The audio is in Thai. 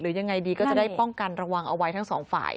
ยังไงดีก็จะได้ป้องกันระวังเอาไว้ทั้งสองฝ่าย